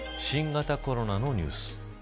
新型コロナのニュース。